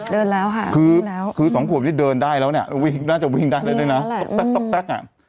เดินแล้วค่ะคือคือสองกวบที่เดินได้แล้วเนี้ยวิ่งน่าจะวิ่งได้เลยนะต๊ะต๊ะต๊ะอ่ะ